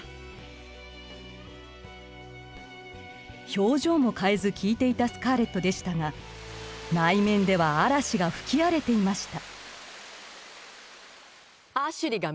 表情も変えず聞いていたスカーレットでしたが内面では嵐が吹き荒れていました。